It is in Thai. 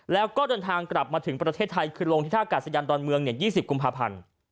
แล้วก็เดินทางกลับมาถึงประเทศไทยคือลงที่ท่ากาศยานดอนเมือง๒๐กุมภาพันธ์